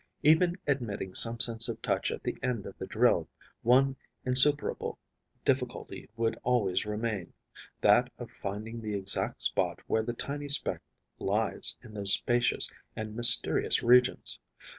Even admitting some sense of touch at the end of the drill, one insuperable difficulty would always remain: that of finding the exact spot where the tiny speck lies in those spacious and mysterious regions.